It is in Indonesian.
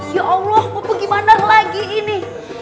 ya allah mumpu gimana lagi ini